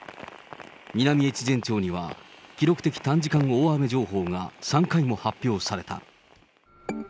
南越前町には、記録的短時間大雨情報が３回も発表された。